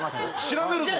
調べるぞ！